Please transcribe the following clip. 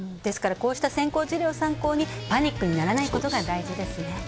こうした先行事例を参照にパニックにならないことが大事ですね。